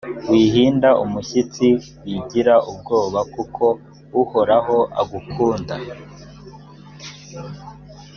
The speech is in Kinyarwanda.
wihinda umushyitsi wigira ubwoba kuko uhoraho agukunda